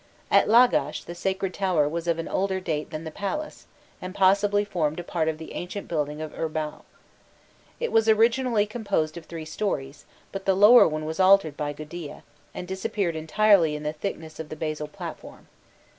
At Lagash the sacred tower was of older date than the palace, and possibly formed part of the ancient building of Urbau. It was originally composed of three stories, but the lower one was altered by Gudea, and disappeared entirely in the thickness of the basal platform.